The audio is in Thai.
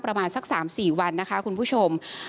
ประมาณสัก๓๔วันนะคะคุณผู้ชม